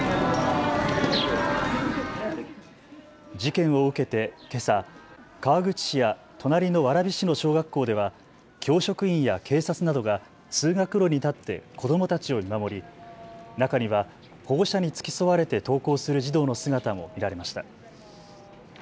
事件を受けてけさ、川口市や隣の蕨市の小学校では教職員や警察などが通学路に立って子どもたちを見守り、中には保護者に付き添われて登校する児童の姿も見られました。